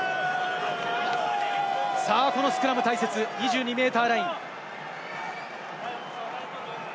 このスクラム大切、２２ｍライン。